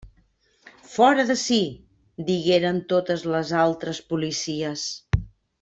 Fora d'ací! —digueren totes les altres policies—.